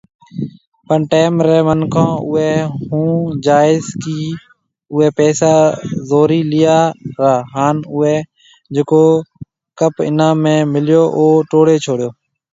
پڻ ٽيم ري منکون اوئي ھونناجائيزي ڪي اوئي پئسا زوري ليا را هان اوئي جڪو ڪپ انعام ۾ مليو او ٽوڙي ڇوڙيو